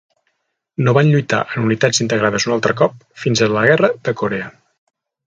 No van lluitar en unitats integrades un altre cop fins a la guerra de Corea.